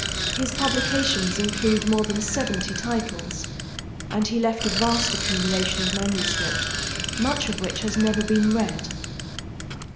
His publications include more than seventy titles, and he left a vast accumulation of manuscript, much of which has never been read.